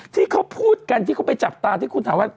ที่เขาพูดกันที่เขาไปจับตาที่คุณถามว่า